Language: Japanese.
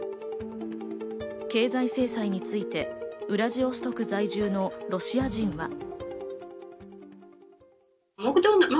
経済制裁についてウラジオストク在住のロシア人は。